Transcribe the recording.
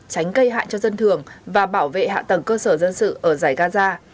thánh cây hại cho dân thường và bảo vệ hạ tầng cơ sở dân sự ở giải gaza